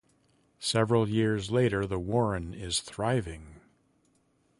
Several years later, the warren is thriving.